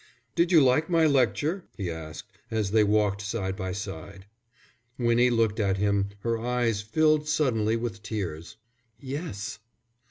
"Did you like my lecture?" he asked, as they walked side by side. Winnie looked at him, her eyes filled suddenly with tears. "Yes."